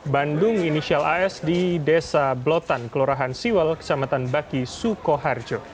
bandung inisial as di desa blotan kelurahan siwal kecamatan baki sukoharjo